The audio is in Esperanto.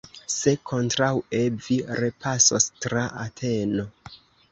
Se kontraŭe, vi repasos tra Ateno!